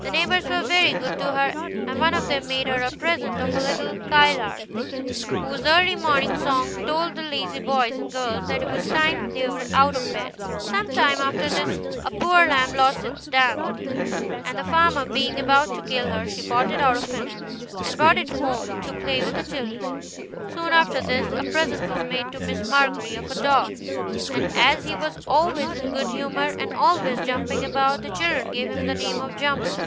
The neighbors were very good to her, and one of them made her a present of a little skylark, whose early morning song told the lazy boys and girls that it was time they were out of bed. Some time after this a poor lamb lost its dam, and the farmer being about to kill it, she bought it of him, and brought it home to play with the children. Soon after this a present was made to Miss Margery of a dog, and as he was always in good humor, and always jump ing about, the children gave him the name of Jumper.